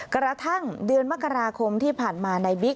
กระทั่งเดือนมกราคมที่ผ่านมาในบิ๊ก